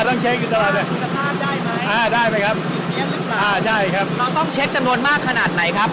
ต้องเช็คอ่าได้ไหมครับอ่าใช่ครับเราต้องเช็คจำนวนมากขนาดไหนครับ